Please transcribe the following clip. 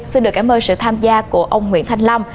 xin được cảm ơn sự tham gia của ông nguyễn thanh long